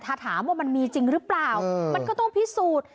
ถ้าถามว่ามันมีจริงหรือเปล่ามันก็ต้องพิสูจน์